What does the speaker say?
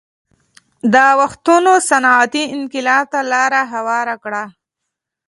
دا اوښتونونه صنعتي انقلاب ته لار هواره کړه